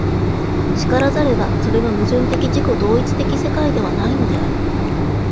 然らざれば、それは矛盾的自己同一的世界ではないのである。